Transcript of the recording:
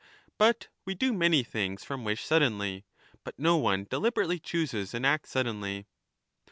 But we do many things from wish suddenly, but no one deliberately chooses an act suddenly.